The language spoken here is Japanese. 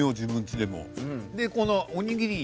でこのおにぎりもいく？